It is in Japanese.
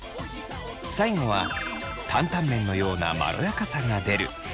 最後は担々麺のようなまろやかさが出るピーナツバター。